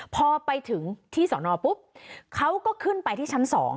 พอไปถึงที่สอนอปุ๊บเขาก็ขึ้นไปที่ชั้น๒